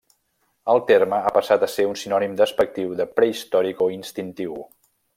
El terme ha passat a ser un sinònim despectiu de prehistòric o instintiu.